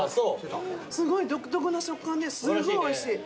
すごい独特な食感ですごいおいしい。